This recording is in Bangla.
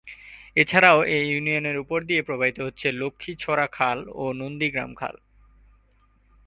এছাড়াও এ ইউনিয়নের উপর দিয়ে প্রবাহিত হচ্ছে লক্ষ্মী ছড়া খাল ও নন্দী গ্রাম খাল।